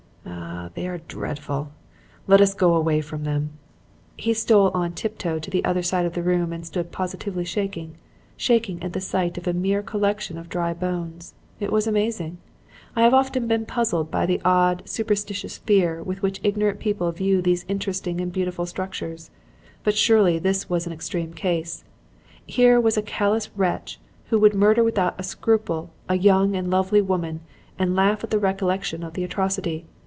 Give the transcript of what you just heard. Ah! they are dreadful! Let us go away from them.' "He stole on tiptoe to the other side of the room and stood positively shaking; shaking at the sight of a mere collection of dry bones. It was amazing. I have often been puzzled by the odd, superstitious fear with which ignorant people view these interesting and beautiful structures. But surely this was an extreme case. Here was a callous wretch who would murder without a scruple a young and lovely woman and laugh at the recollection of the atrocity.